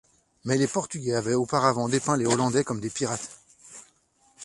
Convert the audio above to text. Mais les Portugais avaient auparavant dépeint les Hollandais comme des pirates.